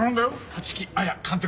立木彩監督。